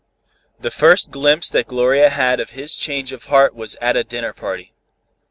The first glimpse that Gloria had of his change of heart was at a dinner party.